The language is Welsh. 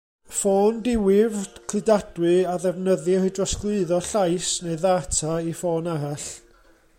Ffôn diwifr, cludadwy a ddefnyddir i drosglwyddo llais neu ddata i ffôn arall.